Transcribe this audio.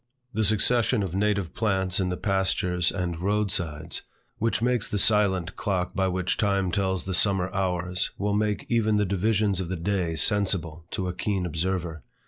The succession of native plants in the pastures and roadsides, which makes the silent clock by which time tells the summer hours, will make even the divisions of the day sensible to a keen observer.